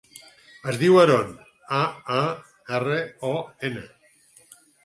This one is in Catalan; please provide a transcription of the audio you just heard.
Es diu Aaron: a, a, erra, o, ena.